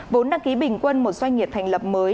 vốn đăng ký bình quân một doanh nghiệp thành lập mới